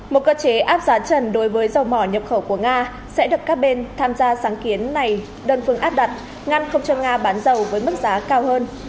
một cơ chế áp giá trần đối với dầu mỏ nhập khẩu của nga sẽ được các bên tham gia sáng kiến này đơn phương áp đặt ngăn không cho nga bán dầu với mức giá cao hơn